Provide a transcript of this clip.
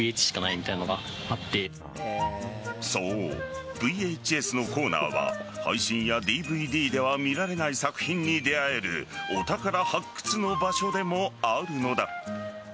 そう、ＶＨＳのコーナーは配信やＤＶＤでは見られない作品に出合えるお宝発掘の場所でもあるのだ。